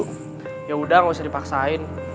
kalau udah gak usah dipaksain